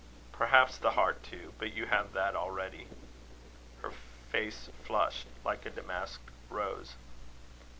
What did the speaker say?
"Perhaps the heart too; but you have that already." Her face flushed like a damask rose.